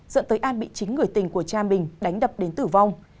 dẫn tới an bị chính người tình của cha mình đánh đập đến tử vong